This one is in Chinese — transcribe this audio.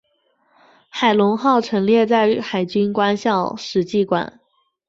海龙号陈列在海军官校史绩馆。